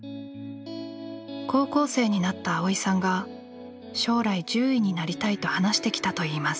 高校生になった蒼依さんが将来獣医になりたいと話してきたといいます。